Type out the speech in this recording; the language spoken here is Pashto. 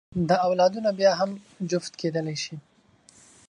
دا اولادونه بیا هم جفت کېدلی شي.